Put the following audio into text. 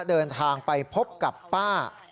เดินทางไปพบกับป้า